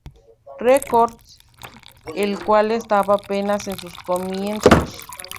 Records, el cual estaba apenas en sus comienzos.